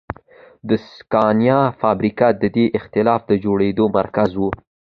د سکانیا فابریکه د دې اېتلاف د جوړېدو مرکز و.